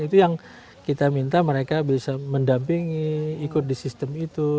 itu yang kita minta mereka bisa mendampingi ikut di sistem itu